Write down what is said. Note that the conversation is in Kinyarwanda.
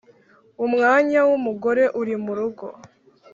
umwanya wumugore uri murugo